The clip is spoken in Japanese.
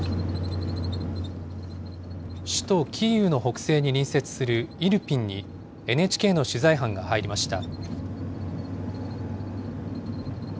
首都キーウの北西に隣接するイルピンに、ＮＨＫの取材班が入りました。